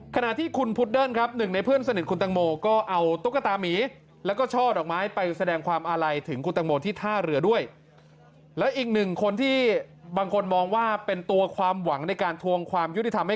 ขณะที่คุณพุดเดิ้นครับหนึ่งในเพื่อนสนิทคุณตังโมก็เอาตุ๊กตาหมี